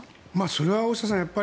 それは大下さん